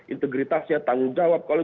integritasnya tanggung jawab kalau